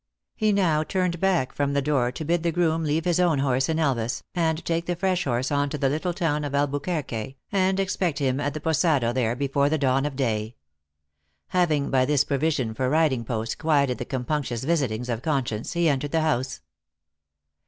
lie now turned back from the door to bid the groom leave his own horse in Elvas, and take the fresh horse on to the little town of Albuquerque, and expect him at the posada there before the dawn of day. Having, by this provision for riding post, quieted the compunctious visitings of conscience, he entered the house.